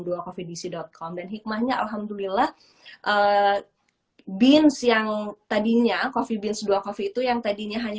dan hikmahnya alhamdulillah beans yang tadinya coffee beans dua coffee itu yang tadinya hanya